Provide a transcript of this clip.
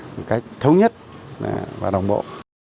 một cách thống nhất và đồng bộ